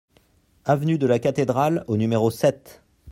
Avenue de la Cathédrale au numéro sept